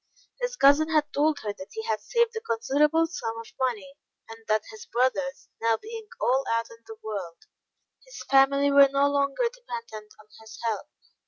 His cousin had told her that he had saved a considerable sum of money, and that his brothers now being all out in the world, his family were no longer dependent on his help.